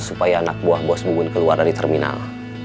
supaya anak buah bos bubun keluar dari terminal